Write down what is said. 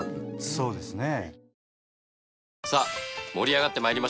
そうですね。